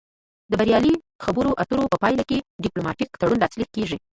د بریالۍ خبرو اترو په پایله کې ډیپلوماتیک تړون لاسلیک کیږي